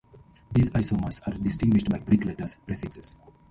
These isomers are distinguished by Greek letter prefixes.